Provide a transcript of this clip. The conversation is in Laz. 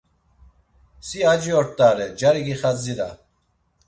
Si aci ort̆are, cari gixadzira.